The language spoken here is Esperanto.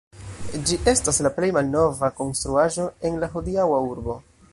Ĝi estas la plej malnova konstruaĵo en la hodiaŭa urbo.